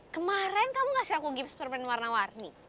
kemaren kamu kasih aku gips permen warna warni